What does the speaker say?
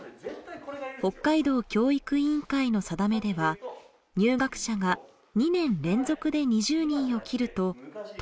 北海道教育委員会の定めでは入学者が２年連続で２０人を切ると統廃合の対象となります。